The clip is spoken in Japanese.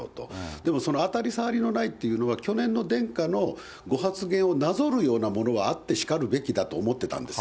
でもそのあたりさわりのないっていうのは、去年の殿下のご発言をなぞるようなものはあってしかるべきだと思ってたんです。